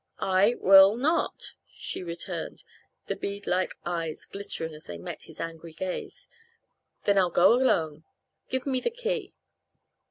"I will not!" she returned, the bead like eyes glittering as they met his angry gaze. "Then I'll go alone. Give me the key."